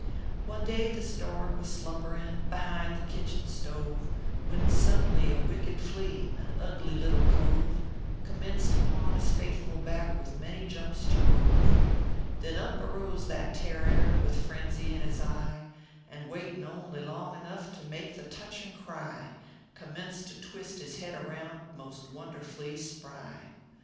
One day this dorg was slumberin Behind the kitchen stove, When suddenly a wicked flea An ugly little cove .Commenced upon his faithful back With many jumps to rove. Then up arose that tarrier, With frenzy in his eye, And waitin only long enough To make a touchin cry, Commenced to twist his head around, Most wonderfully spry.